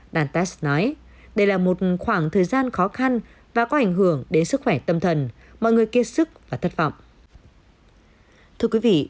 dantas nói đây là một khoảng thời gian khó khăn và có ảnh hưởng đến sức khỏe tâm thần mọi người kia sức và thất vọng